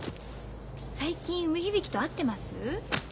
最近梅響と会ってます？